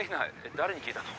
誰に聞いたの？